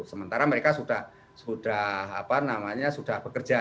sementara mereka sudah bekerja